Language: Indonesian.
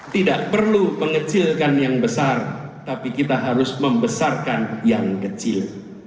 tidak perlu mengecilkan yang besar tapi kita harus membesarkan yang kecil